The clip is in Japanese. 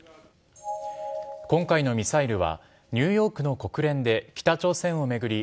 今回のミサイルはニューヨークの国連で北朝鮮を巡り